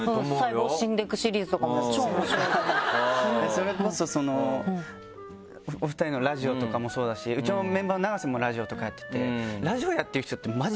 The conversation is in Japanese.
それこそお二人のラジオとかもそうだしうちのメンバーの永瀬もラジオとかやってて。